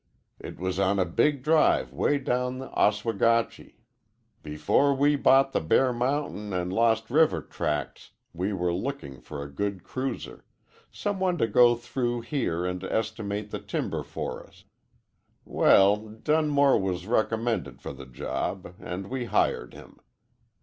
It was on a big drive way down the Oswegatchie. "Before we bought the Bear Mountain and Lost River tracts we were looking for a good cruiser some one to go through here and estimate the timber for us. Well, Dunmore was recommended for the job, and we hired him.